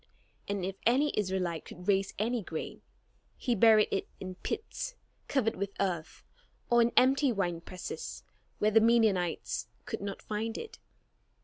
And if any Israelite could raise any grain, he buried it in pits covered with earth, or in empty winepresses, where the Midianites could not find it.